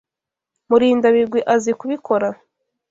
Murindabigwi azi kubikora.